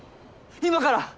今から！